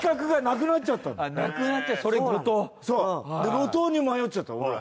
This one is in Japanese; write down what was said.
路頭に迷っちゃったの俺ら。